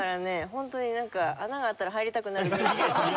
ホントになんか穴があったら入りたくなる。